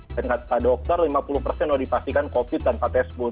dengan kata dokter lima puluh persen sudah dipastikan covid tanpa tes pun